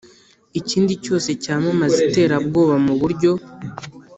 ikindi cyose cyamamaza iterabwoba mu buryo